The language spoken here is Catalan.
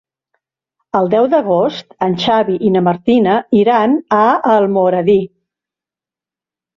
El deu d'agost en Xavi i na Martina iran a Almoradí.